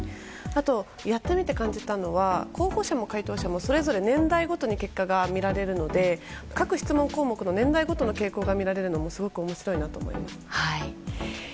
あと、やってみて感じたのは候補者も回答者もそれぞれ年代ごとに結果が見られるので各質問項目の年代ごとの傾向が見られるのもすごく面白いなと思いました。